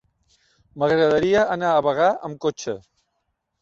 M'agradaria anar a Bagà amb cotxe.